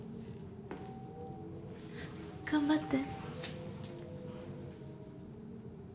頑張って。